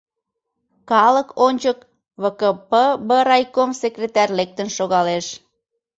Калык ончык ВКПб райком секретарь лектын шогалеш.